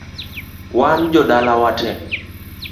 Wan jodala watee